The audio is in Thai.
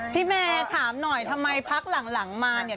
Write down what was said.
แม่ถามหน่อยทำไมพักหลังมาเนี่ย